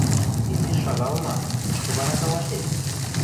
– Изиш шагалыма, кышкы вара талашет?